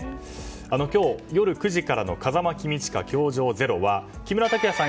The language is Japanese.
今日夜９時からの「風間公親‐教場０‐」は木村拓哉さん